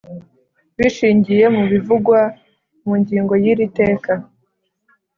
bishingiye mu bivugwa mu ngingo y iri teka